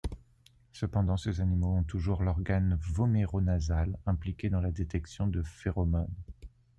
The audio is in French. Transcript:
Cependant, ces animaux ont toujours l'organe voméro-nasal, impliqué dans la détection de phéromones.